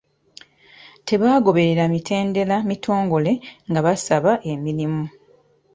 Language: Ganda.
Tebaagoberera mitendera mitongole nga basaba emirimu.